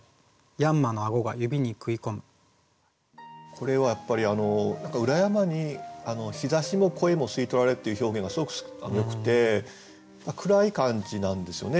これはやっぱり「裏山に日射しも声も吸いとられ」っていう表現がすごくよくて暗い感じなんですよね